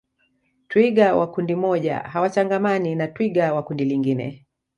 twiga wa kundi moja hawachangamani na twiga wa kundi lingine